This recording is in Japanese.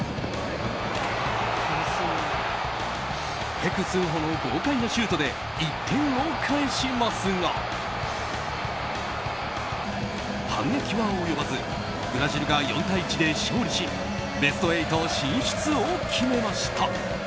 ペク・スンホの豪快なシュートで１点を返しますが反撃は及ばずブラジルが４対１で勝利しベスト８進出を決めました。